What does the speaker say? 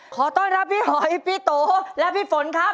ขอต้อนรับพี่หอยพี่โตและพี่ฝนครับ